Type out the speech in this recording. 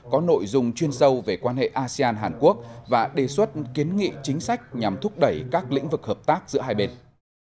có nội dung chuyên sâu về quan hệ asean hàn quốc và đề xuất kiến nghị chính sách nhằm thúc đẩy các lĩnh vực hợp tác giữa hai bên